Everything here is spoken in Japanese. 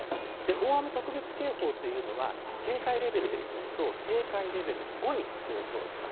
大雨特別警報というのは、警戒レベルでいいますと、警戒レベル５に相当します。